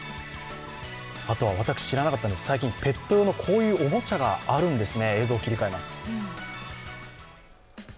あとは私、知らなかったんですが、最近ペット用のこういうおもちゃがあるんですね。